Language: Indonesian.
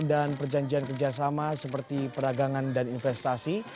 dan perjanjian kerjasama seperti peragangan dan investasi